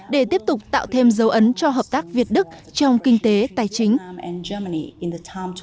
để tiếp tục tạo thêm dấu ấn cho hợp tác việt đức trong kinh tế tài chính